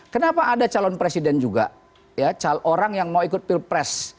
kenapa ada calon presiden juga ya orang yang mau ikut pil pres